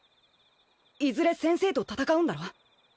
いずれ先生と戦うんだろ？